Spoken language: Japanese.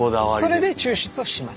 それで抽出をします。